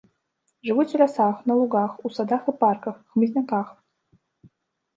Жывуць у лясах, на лугах, у садах і парках, хмызняках.